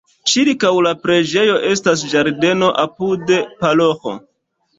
Ĉirkaŭ la preĝejo estas ĝardeno, apude paroĥo.